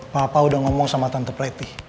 papa udah ngomong sama tante pelatih